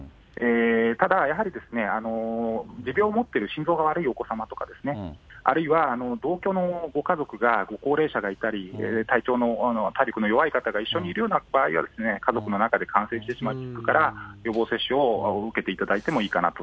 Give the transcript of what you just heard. ただやはり、持病を持っている、心臓が悪いお子様とかですね、あるいは同居のご家族が、ご高齢者がいたり、体調の、体力の弱い方がいる場合はですね、家族の中で感染してしまう危険から、予防接種を受けていただいてもいいかなと。